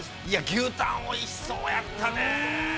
◆牛タンおいしそうやったねー。